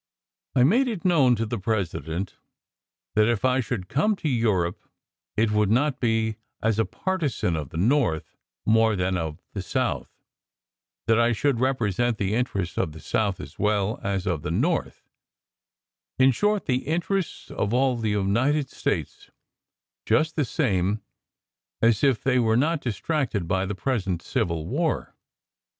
I made it known to the President that if I should come to Europe it would not be as a partisan of the North more than of the South; that I should represent the interests of the South as well as of the North; in short, the interests of all the United States just the same as if they had not been distracted by the present civil war.